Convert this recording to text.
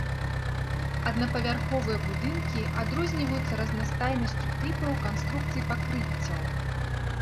Аднапавярховыя будынкі адрозніваюцца разнастайнасцю тыпаў канструкцый пакрыццяў.